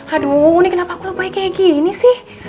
aduh kenapa aku lebih baik kayak gini sih